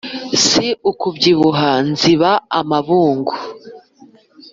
si ukubyibuha ziba amabungu.